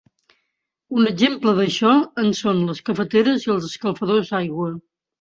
Un exemple d'això en són les cafeteres i els escalfadors d'aigua.